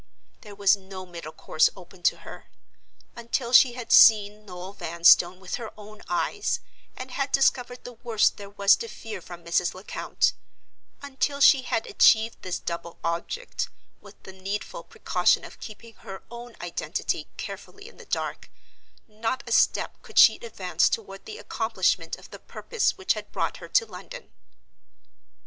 There was no middle course open to her. Until she had seen Noel Vanstone with her own eyes, and had discovered the worst there was to fear from Mrs. Lecount—until she had achieved this double object, with the needful precaution of keeping her own identity carefully in the dark—not a step could she advance toward the accomplishment of the purpose which had brought her to London.